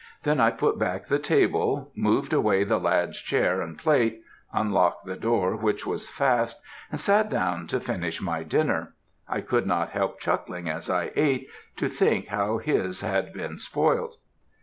Then I put back the table moved away the lad's chair and plate, unlocked the door which was fast, and sat down to finish my dinner. I could not help chuckling as I ate, to think how his had been spoilt.